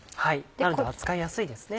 なので扱いやすいですね。